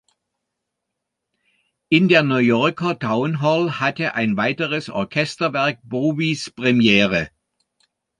In der New Yorker Town Hall hatte ein weiteres Orchesterwerk Bowies Premiere.